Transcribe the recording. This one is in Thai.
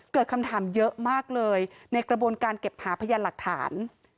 เกิดคำถามเยอะมากเลยในกระบวนการเก็บหาพยานหลักฐาน